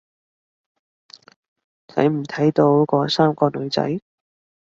睇唔睇到嗰三個女仔？